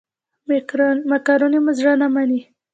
مېکاروني مو زړه نه مني.